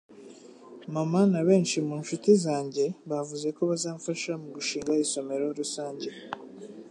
Mama na benshi mu nshuti zanjye bavuze ko bazamfasha mu gushinga isomero rusange.